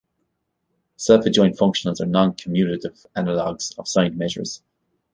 Self-adjoint functionals are noncommutative analogues of signed measures.